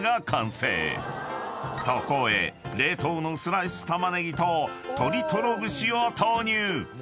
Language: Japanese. ［そこへ冷凍のスライスたまねぎと鶏とろ串を投入］